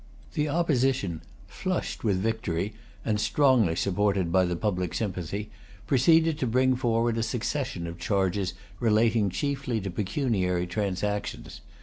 The Opposition, flushed with victory and strongly supported by the public sympathy, proceeded to bring forward a succession of charges relating chiefly to pecuniary transactions.